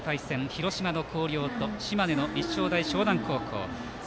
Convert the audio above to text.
広島の広陵高校と島根の立正大淞南高校。